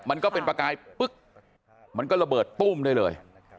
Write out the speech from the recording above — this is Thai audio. มันก็เป็นประกายปึ๊กมันก็ระเบิดตุ้มได้เลย